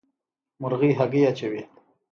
مرغۍ هګۍ اچوي.